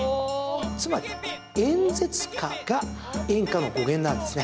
つまり、演説歌が演歌の語源なんですね。